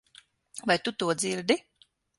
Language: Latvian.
Vai tu to dzirdi?